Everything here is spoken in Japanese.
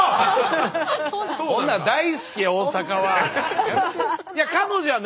そんなん大好き大阪は。